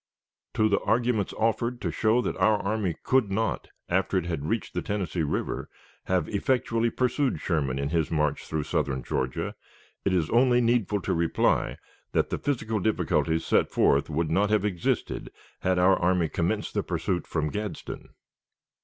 To the arguments offered to show that our army could not, after it had reached the Tennessee River, have effectually pursued Sherman in his march through southern Georgia, it is only needful to reply that the physical difficulties set forth would not have existed, had our army commenced the pursuit from Gadsden.